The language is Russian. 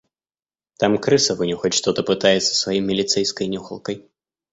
Там крыса вынюхать что-то пытается своей милицейской нюхалкой.